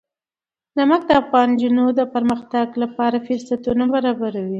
نمک د افغان نجونو د پرمختګ لپاره فرصتونه برابروي.